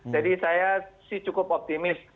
jadi saya sih cukup optimis